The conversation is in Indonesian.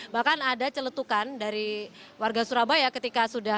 bahkan ada celetukan dari warga surabaya